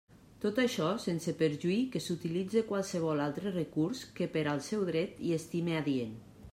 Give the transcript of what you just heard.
Tot això sense perjuí que s'utilitze qualsevol altre recurs que per al seu dret hi estime adient.